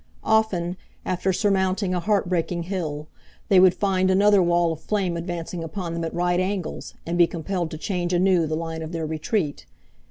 Often, after surmounting a heart breaking hill. they would find another wall of flame advancing upon them at right angles and be compelled to change anew the line of their retreat.